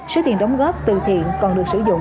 số tiền đóng góp từ thiện còn được sử dụng